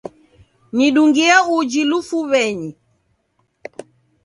Nidungie uji lufuw'enyi.